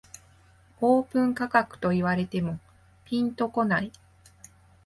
オープン価格と言われてもピンとこない